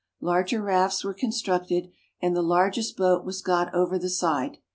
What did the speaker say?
Larger rafts were constructed, and the largest boat was got over the side.